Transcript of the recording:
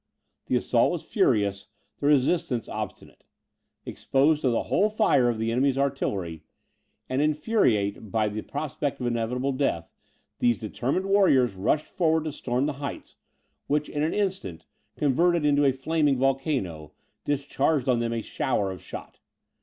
The assault was furious, the resistance obstinate. Exposed to the whole fire of the enemy's artillery, and infuriate by the prospect of inevitable death, these determined warriors rushed forward to storm the heights; which, in an instant, converted into a flaming volcano, discharged on them a shower of shot.